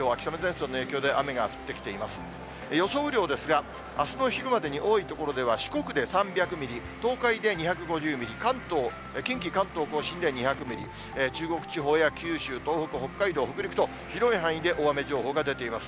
雨量ですが、あすの昼までに多い所では四国で３００ミリ、東海で２５０ミリ、関東、近畿、関東甲信で２００ミリ、中国地方や九州、東北、北海道、北陸と広い範囲で大雨情報が出ています。